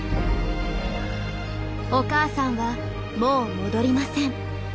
お母さんはもう戻りません。